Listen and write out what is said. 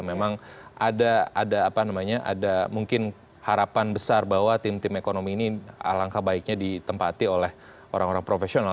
memang ada mungkin harapan besar bahwa tim tim ekonomi ini alangkah baiknya ditempati oleh orang orang profesional